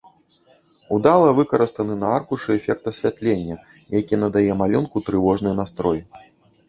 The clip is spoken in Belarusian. Удала выкарыстаны на аркушы эфект асвятлення, які надае малюнку трывожны настрой.